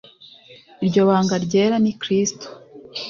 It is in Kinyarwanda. iryo banga ryera ni Kristo